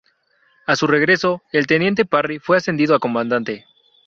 A su regreso, el teniente Parry fue ascendido a comandante.